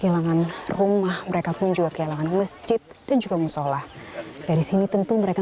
lombok bangkit pasca gempa